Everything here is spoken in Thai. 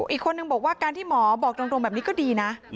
อีกคนนึงบอกว่าการที่หมอบอกตรงแบบนี้ก็ดีนะ